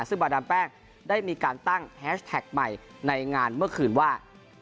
ซึ่งบาดามแป้งได้มีการตั้งแฮชแท็กใหม่ในงานเมื่อคืนว่า